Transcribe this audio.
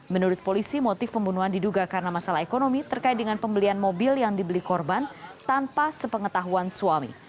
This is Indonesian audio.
menurut polisi motif pembunuhan diduga karena masalah ekonomi terkait dengan pembelian mobil yang dibeli korban tanpa sepengetahuan suami